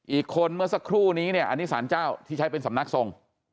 อีกคนเมื่อสักครู่นี้เนี่ยอันนี้สารเจ้าที่ใช้เป็นสำนักทรง